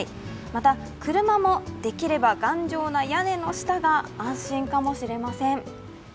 また、車もできれば頑丈な屋根の下が安心かもしれません。